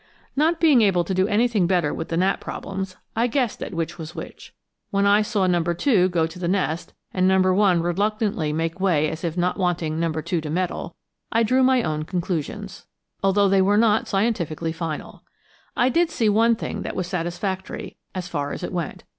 Not being able to do anything better with the gnat problems, I guessed at which was which when I saw No. 2 go to the nest and No. 1 reluctantly make way as if not wanting No. 2 to meddle, I drew my own conclusions, although they were not scientifically final. I did see one thing that was satisfactory, as far as it went.